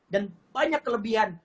dan banyak kelebihan